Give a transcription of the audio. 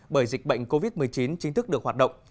bởi dịch bệnh covid một mươi chín chính thức được hoạt động